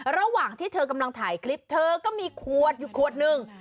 ระหว่างที่เธอกำลังถ่ายคลิปเธอก็มีขวดอยู่ขวดหนึ่ง